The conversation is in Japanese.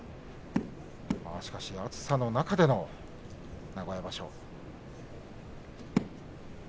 暑さの中での名古屋場所